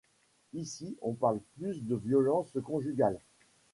Ici on parle plus de violence conjugale.